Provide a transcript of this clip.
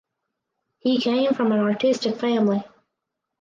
He came from an artistic family.